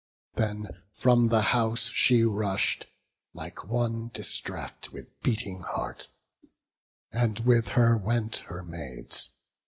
Then from the house she rush'd, like one distract, With beating heart; and with her went her maids.